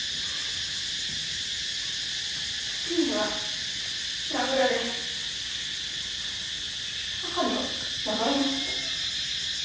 父には殴られ母には泣かれました。